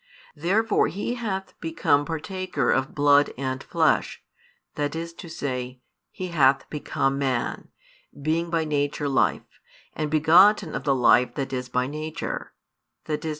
Therefore He hath become partaker of blood and flesh, i.e. He hath become man, being by nature Life, and begotten of the Life that is by nature, i.e.